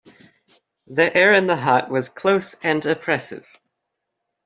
The air in the hut was close and oppressive.